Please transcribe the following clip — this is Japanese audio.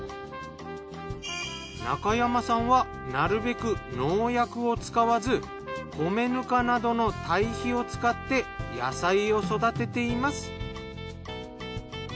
中山さんはなるべく農薬を使わず米ぬかなどのたい肥を使って野菜を育てています。